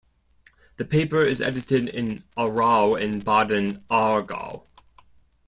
The paper is edited in Aarau and Baden, Aargau.